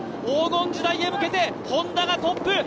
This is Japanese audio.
黄金時代へ向けてＨｏｎｄａがトップ。